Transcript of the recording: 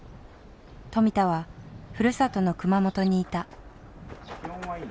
富田はふるさとの熊本にいた。